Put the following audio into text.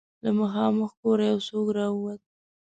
له مخامخ کوره يو څوک را ووت.